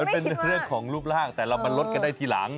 มันเป็นเรื่องของรูปร่างแต่เรามาลดกันได้ทีหลัง